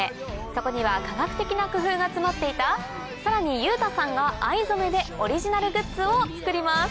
そこには科学的な工夫が詰まっていた⁉さらに裕太さんが藍染めでオリジナルグッズを作ります。